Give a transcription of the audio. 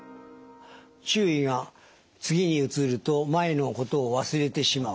注意が次に移ると前のことを忘れてしまう。